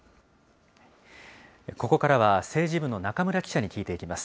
ここからは、政治部の中村記者に聞いていきます。